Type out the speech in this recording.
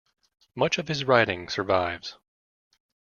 Much of his writing survives.